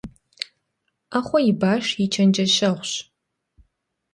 Ӏэхъуэ и баш и чэнджэщэгъущ.